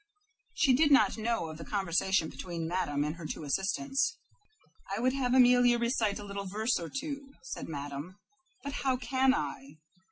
She did not know of the conversation between Madame and her two assistants. "I would have Amelia recite a little verse or two," said Madame, "but how can I?"